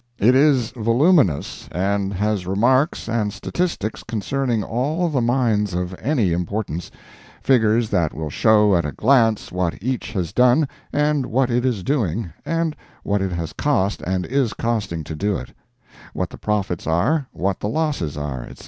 It is voluminous, and has remarks and statistics concerning all the mines of any importance—figures that will show at a glance what each has done, what it is doing, and what it has cost and is costing to do it; what the profits are, what the losses are, etc.